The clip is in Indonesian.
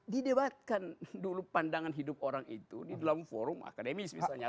didebatkan dulu pandangan hidup orang itu di dalam forum akademis misalnya